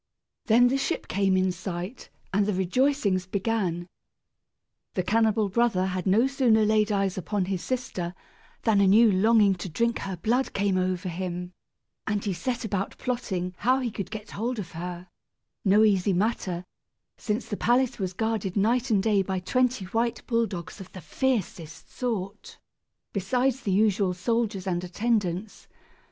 Then the ship came in sight and the rejoicings began. The cannibal brother had no sooner laid eyes upon his sister than a new longing to drink her blood came over him; and he set about plotting how he could get hold of her, no easy matter, since the palace was guarded night and day by twenty white bull dogs of the fiercest sort, besides the usual soldiers and attendants.